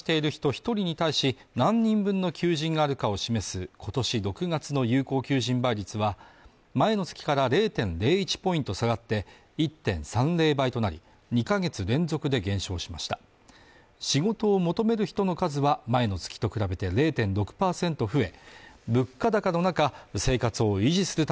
一人に対し何人分の求人があるかを示すことし６月の有効求人倍率は前の月から０．０１ポイント下がって１．３０倍となり２か月連続で減少しました仕事を求める人の数は前の月と比べて０．６％増え